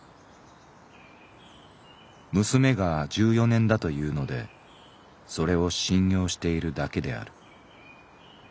娘が十四年だというのでそれを信用しているだけである」。